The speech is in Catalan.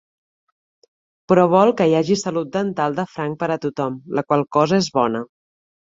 Però vol que hi hagi salut dental de franc per a tothom, la qual cosa és bona.